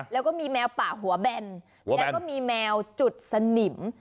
แล้วก็มีแมวป่าหัวแบนแล้วก็มีแมวจุดสนิม